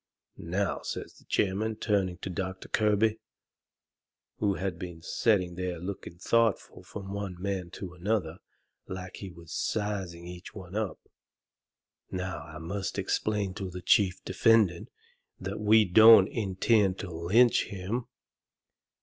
"Now," says the chairman, turning toward Doctor Kirby, who had been setting there looking thoughtful from one man to another, like he was sizing each one up, "now I must explain to the chief defendant that we don't intend to lynch him."